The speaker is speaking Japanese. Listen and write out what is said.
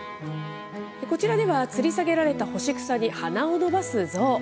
こちらでは、つり下げられた干し草に鼻を伸ばすゾウ。